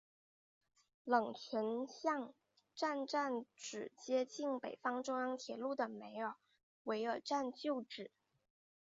冷泉巷站站址接近北方中央铁路的梅尔维尔站旧址。